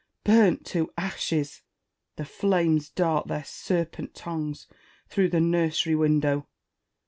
burnt to ashes ! The flames dart their serpent tongues through the nursery window.